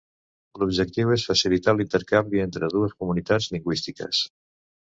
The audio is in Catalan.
L'objectiu és facilitar l'intercanvi entre dues comunitats lingüístiques.